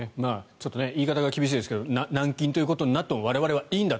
言い方が厳しいですが軟禁ということになっても我々はいいんだと。